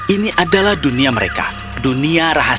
ini adalah dunia mereka dunia rahasia